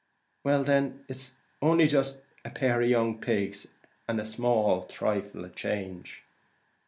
"Well then, it's only jist a pair of young pigs and a small thrifle of change."